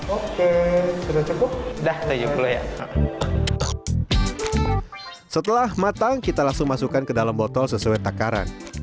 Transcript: oke sudah cukup dah tanjung floy ya setelah matang kita langsung masukkan ke dalam botol sesuai takaran